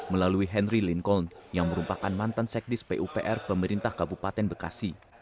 melalui henry lincoln yang merupakan mantan sekdis pupr pemerintah kabupaten bekasi